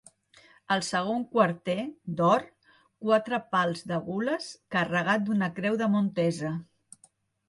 Al segon quarter, d'or, quatre pals de gules, carregat d'una creu de Montesa.